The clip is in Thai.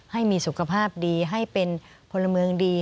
ให้มีสุขภาพดีให้เป็นพลเมืองดี